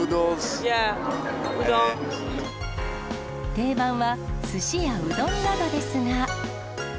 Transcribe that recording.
定番はすしやうどんなどですが。